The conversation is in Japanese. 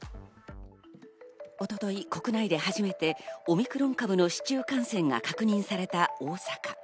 一昨日、国内で初めてオミクロン株の市中感染が確認された大阪。